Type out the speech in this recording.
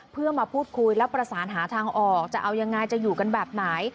เพื่อมาพูดคุยและประสานหาทางออกจะเอายังไงจะอยู่กันแบบไหน